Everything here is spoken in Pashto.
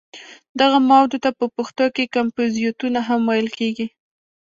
دغه موادو ته په پښتو کې کمپوزیتونه هم ویل کېږي.